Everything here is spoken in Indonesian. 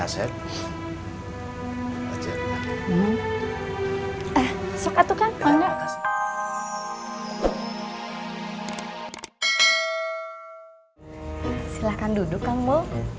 silahkan duduk kang bo